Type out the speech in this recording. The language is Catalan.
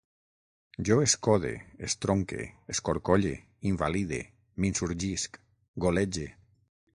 Jo escode, estronque, escorcolle, invalide, m'insurgisc, golege